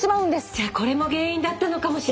じゃこれも原因だったのかもしれない私！